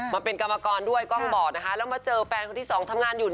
มาเป็นกรรมกรด้วยกล้องบอดนะคะแล้วมาเจอแฟนคนที่สองทำงานอยู่